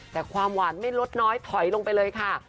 แต่ความหวานไม่ลดน้อยถอยลงไปเลยค่ะ